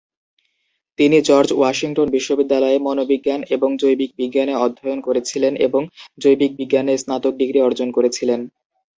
তিনি George Washington বিশ্ববিদ্যালয়ে মনোবিজ্ঞান এবং জৈবিক বিজ্ঞানে অধ্যয়ন করেছিলেন এবং জৈবিক বিজ্ঞানে স্নাতক ডিগ্রি অর্জন করেছিলেন।